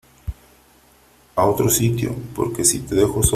a otro sitio ? porque si te dejo solo ,